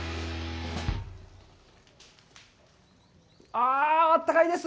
ああ、暖かいです！